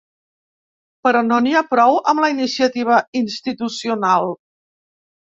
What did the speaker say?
Però no n’hi ha prou amb la iniciativa institucional.